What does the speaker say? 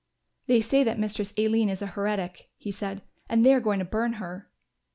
"They say that Mistress Aline is a heretic," he said, "and they are going to burn her."